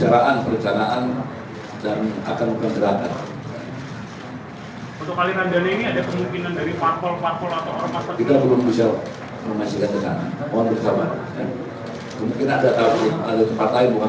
dan satu hari berikutnya yang memperhatikan bisa diperbaikan